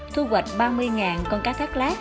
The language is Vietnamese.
thu hoạch ba mươi con cá thác lát